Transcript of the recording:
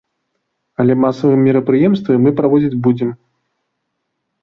Але масавыя мерапрыемствы мы праводзіць будзем.